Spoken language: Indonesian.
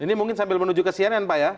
ini mungkin sambil menuju kesian ya pak ya